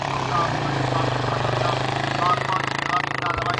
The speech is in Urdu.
اس سوال کا جواب اسی وقت اثبات میں دیا جا سکتا ہے۔